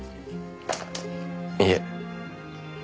いえ。